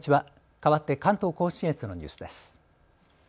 かわって関東甲信越のニュースです。